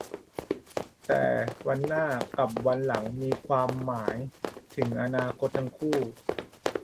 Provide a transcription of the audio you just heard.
แต่ "วันหน้า" กับ "วันหลัง" มีความหมายถึงอนาคตทั้งคู่